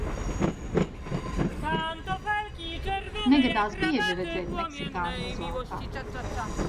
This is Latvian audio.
Negadās bieži redzēt meksikāni uzvalkā.